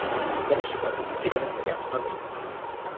L'année suivante, il poursuit de la même manière son engagement.